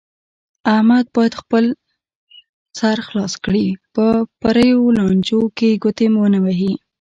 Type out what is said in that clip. احمد باید خپل سر خلاص کړي، په پریو لانجو کې ګوتې و نه وهي.